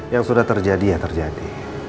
yang sudah terjadi ya terjadi